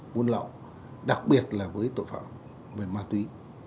buôn lậu đặc biệt là với tội phạm về ma túy